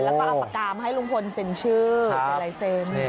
แล้วก็เอาประกามให้ลุงพลเซ็นชื่อ